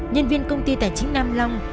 nhân viên công ty tài chính nam long